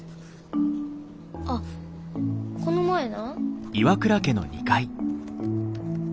あっこの前な。